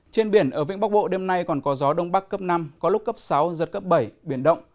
trên biển ở vĩnh bắc bộ đêm nay còn có gió đông bắc cấp năm có lúc cấp sáu giật cấp bảy biển động